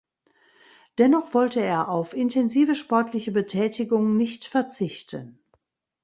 Dennoch wollte er auf intensive sportliche Betätigung nicht verzichten.